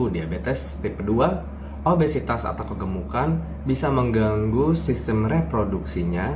diabetes tipe dua obesitas atau kegemukan bisa mengganggu sistem reproduksinya